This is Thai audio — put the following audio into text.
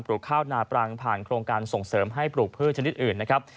ลูกข้าวนาปรังผ่านโครงการส่งเสริมให้ปลูกพืชชนิดอื่นนะครับ